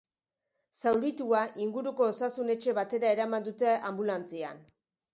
Zauritua inguruko osasun etxe batera eraman dute anbulantzian.